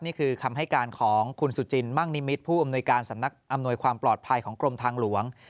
นี่คือคำให้การของคุณสุจินมั่งนิมิตรผู้อำนวยการสำนักอำนวยความปลอดภัยของกรมทางหลวง